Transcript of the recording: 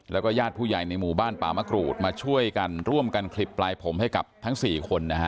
แล้วก็ญาติผู้ใหญ่ในหมู่บ้านป่ามะกรูดมาช่วยกันร่วมกันคลิปปลายผมให้กับทั้ง๔คนนะฮะ